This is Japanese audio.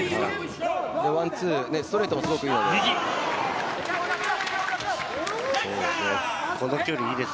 ワン・ツー、ストレートもすごくいいので。